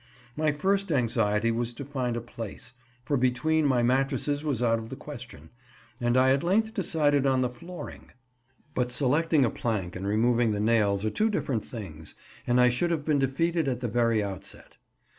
My first anxiety was to find a place, for between my mattresses was out of the question, and I at length decided on the flooring; but selecting a plank and removing the nails are two different things, and I should have been defeated at the very outset.